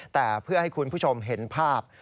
แต่เพื่อให้คุณผู้ชมเห็นภาพ